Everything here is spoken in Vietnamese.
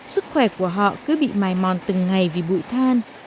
sức khỏe của họ cứ bị mài mòn từng ngày vì bụi than